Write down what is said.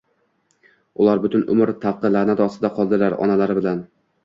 Ular butun umr tavqi-la`nat ostida qoldilar, onalari bilan